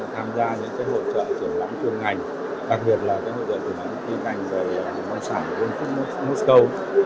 nó tham gia những hội trợ trưởng lãm trường ngành đặc biệt là hội trợ trưởng lãm trung kinh ngành về nông sản nông sản moscow